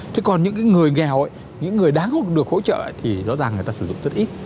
thế còn những cái người nghèo những người đáng hút được hỗ trợ thì rõ ràng người ta sử dụng rất ít